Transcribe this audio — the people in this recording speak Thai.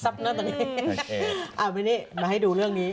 ไปนี่มาให้ดูเรื่องนี้